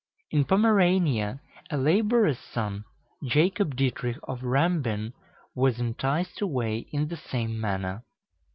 In Pomerania, a laborer's son, Jacob Dietrich of Rambin, was enticed away in the same manner.